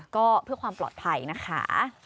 ก็เพื่อความปลอดภัยนะคะ